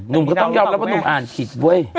หนุ่มก็ต้องยอมรับว่าหนุ่มอ่านผิดเว้ย